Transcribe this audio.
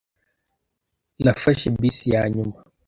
Nafashe bisi yanyuma.